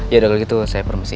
ya udah kalau gitu saya permisi